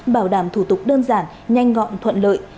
bảo đảm thủ tục đơn giản nhanh gọn thuận lợi